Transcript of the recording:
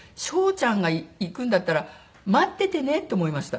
ちゃんが逝くんだったら待っててねって思いました。